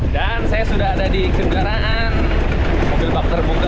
dan saya sudah ada di kejenggaraan mobil bakter bunga